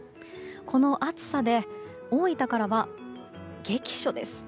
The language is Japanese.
この暑さで大分からは、激暑です。